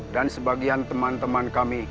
dan sebagian teman teman kami